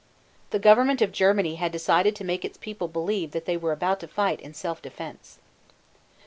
The government of Germany had decided to make its people believe that they were about to fight in self defense.